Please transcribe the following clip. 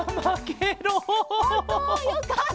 よかった。